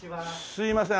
すいません